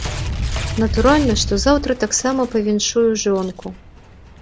Натуральна, што заўтра таксама павіншую жонку.